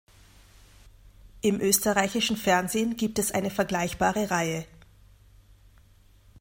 Im österreichischen Fernsehen gibt es eine vergleichbare Reihe.